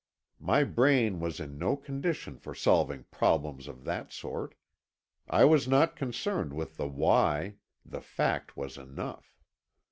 My brain was in no condition for solving problems of that sort. I was not concerned with the why; the fact was enough.